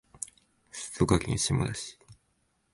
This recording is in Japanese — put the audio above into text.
静岡県下田市